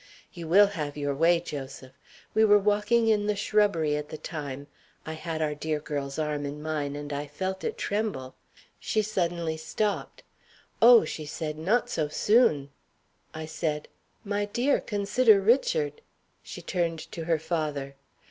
"You will have your way, Joseph! We were walking in the shrubbery at the time. I had our dear girl's arm in mine, and I felt it tremble. She suddenly stopped. 'Oh,' she said, 'not so soon!' I said, 'My dear, consider Richard!' She turned to her father.